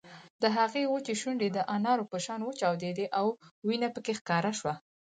د هغې وچې شونډې د انارو په شان وچاودېدې او وينه پکې ښکاره شوه